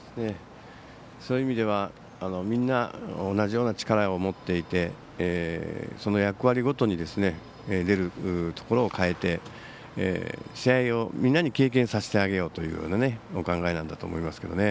そういう意味ではみんな同じような力を持っていてその役割ごとに出るところを変えて試合をみんなに経験させてあげようというお考えなんだと思いますけどね。